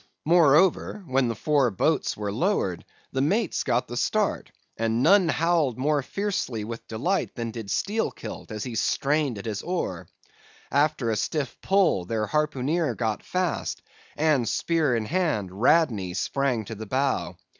Moreover, when the four boats were lowered, the mate's got the start; and none howled more fiercely with delight than did Steelkilt, as he strained at his oar. After a stiff pull, their harpooneer got fast, and, spear in hand, Radney sprang to the bow.